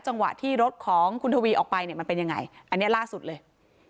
จังหวะที่รถของคุณทวีออกไปเนี่ยมันเป็นยังไงอันนี้ล่าสุดเลย